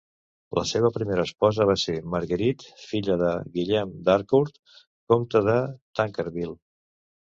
La seva primera esposa va ser Marguerite, filla de Guillem d'Harcourt, comte de Tancarville.